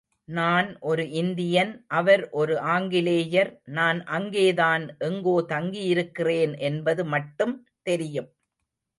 நான் ஒரு இந்தியன் அவர் ஒரு ஆங்கிலேயர் நான் அங்கேதான் எங்கோ தங்கியிருக்கிறேன் என்பது மட்டும் தெரியும்.